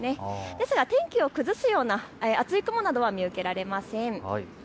ですが天気を崩すような厚い雲は見受けられません。